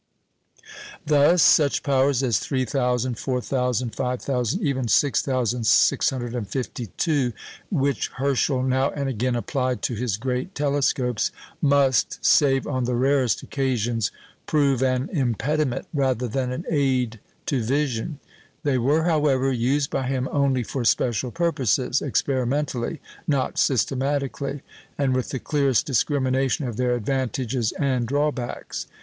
Thus, such powers as 3,000, 4,000, 5,000, even 6,652, which Herschel now and again applied to his great telescopes, must, save on the rarest occasions, prove an impediment rather than an aid to vision. They were, however, used by him only for special purposes, experimentally, not systematically, and with the clearest discrimination of their advantages and drawbacks.